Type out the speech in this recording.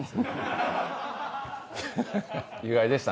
意外でしたね。